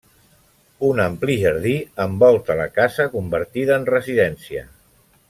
Un ampli jardí envolta la casa, convertida en residència.